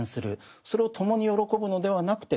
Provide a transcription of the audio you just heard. それを共に喜ぶのではなくて悲しむ。